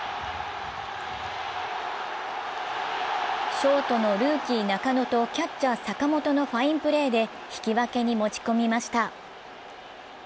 ショートのルーキー・中野とキャッチャー・坂本のファインプレーで引き分けに持ち込みました。